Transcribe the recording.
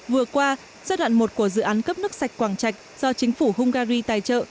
vừa qua giai đoạn một của dự án cấp nước sạch quảng trạch do chính phủ hungary tài trợ